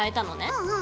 うんうん。